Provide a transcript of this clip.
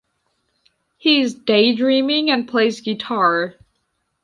He is daydreaming and plays guitar.